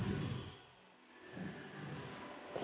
aku ingin tahu